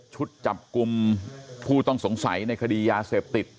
จับกลุ่มผู้ต้องสงสัยในคดียาเสพติด